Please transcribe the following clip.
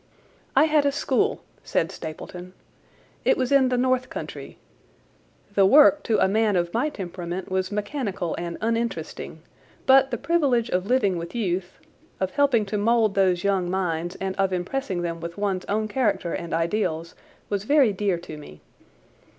"I had a school," said Stapleton. "It was in the north country. The work to a man of my temperament was mechanical and uninteresting, but the privilege of living with youth, of helping to mould those young minds, and of impressing them with one's own character and ideals was very dear to me.